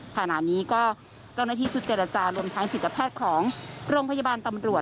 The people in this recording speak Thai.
ขณะนี้ก็เจ้าหน้าที่ชุดเจรจารวมทั้งจิตแพทย์ของโรงพยาบาลตำรวจ